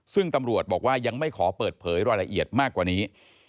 ซึ่งตำรวจบอกว่ายังไม่ขอเปิดเผยรายละเอียดมากกว่านี้